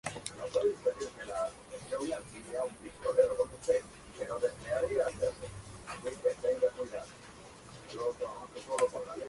Litvínov, evitando la crítica directa a Stalin, sopesó la dimisión, que finalmente no presentó.